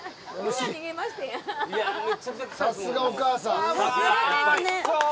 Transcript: さすがお母さん。